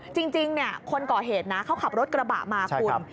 จริงคนก่อเหตุนะเขาขับรถกระบะมาคุณ